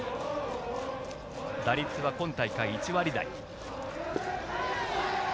打率は今大会１割台。